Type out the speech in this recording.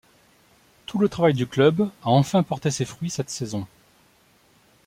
Tout le travail du club a enfin porté ses fruits cette saison.